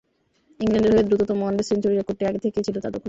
ইংল্যান্ডের হয়ে দ্রুততম ওয়ানডে সেঞ্চুরির রেকর্ডটি আগে থেকেই ছিল তাঁর দখলে।